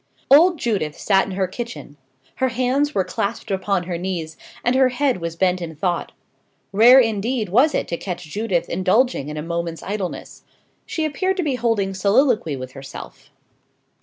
Old Judith sat in her kitchen. Her hands were clasped upon her knees, and her head was bent in thought. Rare indeed was it to catch Judith indulging in a moment's idleness. She appeared to be holding soliloquy with herself.